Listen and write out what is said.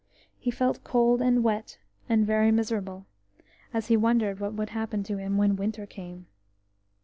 He felt cold and wet, and very miserable, as he wondered what would happen to him when winter came.